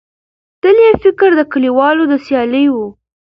تل یې فکر د کالیو د سیالۍ وو